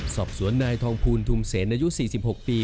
สอบสวนนายทองภูลทุมเสนอายุ๔๖ปี